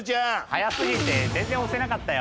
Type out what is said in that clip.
早すぎて全然押せなかったよ。